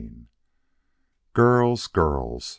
XXIII GIRLS, GIRLS!